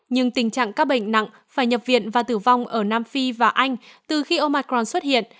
nhưng tình trạng ca bệnh nặng và nhập viện và tử vong ở nam phi và anh từ khi omicron xuất hiện